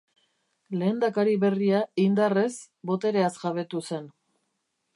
Lehendakari berria indarrez botereaz jabetu zen.